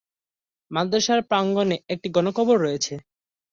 মাদ্রাসার প্রাঙ্গণে একটি গণকবর রয়েছে।